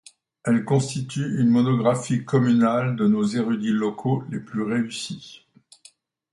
Elle constitue une monographie communale de nos érudits locaux des plus réussies.